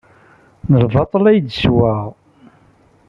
Deg lbaṭel ay d-ssewweɣ?